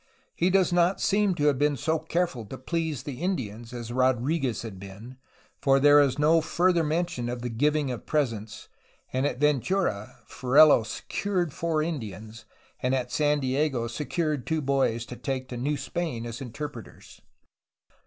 He does not seem to have been so careful to please the Indians as Rodriguez had been, for there is no further mention of the giving of presents, and at Ventura Ferrelo "secured four Indians, '^ and at San Diego "secured two boys to take to New Spain' as interpreters.'